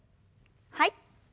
はい。